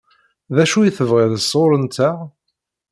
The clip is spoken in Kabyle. D acu i tebɣiḍ sɣur-nteɣ?